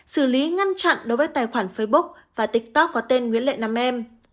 xử lý ngăn chặn đối với tài khoản facebook và tiktok có tên nguyễn lệ nam em